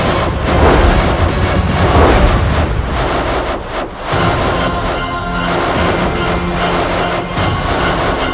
aku akan mencari dia